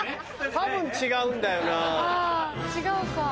多分違うんだよな。